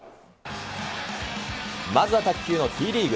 まずは卓球のＴリーグ。